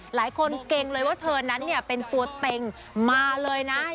เกรงเลยว่าเธอนั้นเนี่ยเป็นตัวเต็งมาเลยนะ